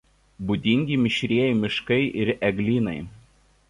Būdingi mišrieji miškai ir eglynai.